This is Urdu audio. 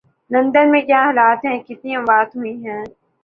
لندن میں کیا حالات ہیں، کتنی اموات ہوئی ہیں